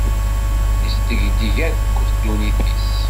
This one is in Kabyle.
Isdegdeg akk ddunit-is.